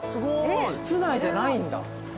室内じゃないんだ。